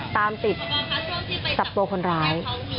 ตามติดจับตัวคนร้าย